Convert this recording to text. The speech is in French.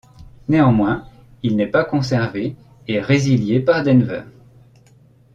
Néanmoins, il n'est pas conservé et résilié par Denver.